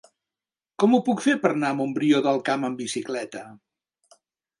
Com ho puc fer per anar a Montbrió del Camp amb bicicleta?